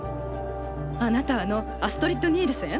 あなたあのアストリッド・ニールセン？